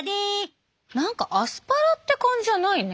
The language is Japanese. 何かアスパラって感じじゃないね。